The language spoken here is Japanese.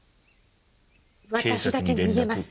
私だけ逃げます。